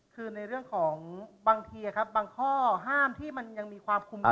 คือในเรื่องของบางทีครับบางข้อห้ามที่มันยังมีความคุม